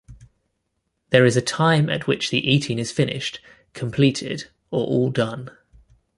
There is a time at which the eating is finished, completed, or all done.